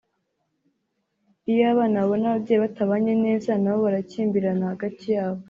iyo abana babona ababyeyi batabanye neza na bo barakimbirana hagati yabo